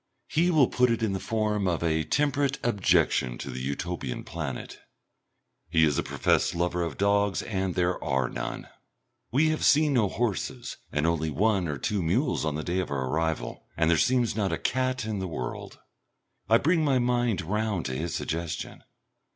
He will put it in the form of a temperate objection to the Utopian planet. He is a professed lover of dogs and there are none. We have seen no horses and only one or two mules on the day of our arrival, and there seems not a cat in the world. I bring my mind round to his suggestion.